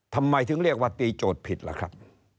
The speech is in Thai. ทำไมถึงเรียกว่าตีโจทย์ผิดล่ะครับ